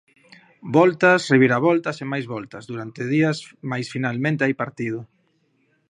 Voltas, reviravoltas e máis voltas durante días mais finalmente hai partido.